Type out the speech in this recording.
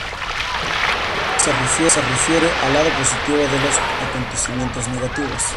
Se refiere al lado positivo de los acontecimientos negativos.